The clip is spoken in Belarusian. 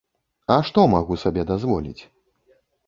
А што магу сабе дазволіць?